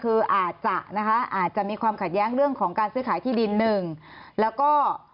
คืออาจจะนะคะอาจจะมีความขัดแย้งเรื่องของการซื้อขายที่ดินหนึ่งแล้วก็